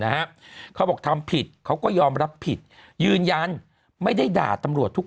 เขาบอกทำผิดเขาก็ยอมรับผิดยืนยันไม่ได้ด่าตำรวจทุก